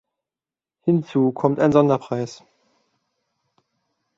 Hinzu kommt ein Sonderpreis.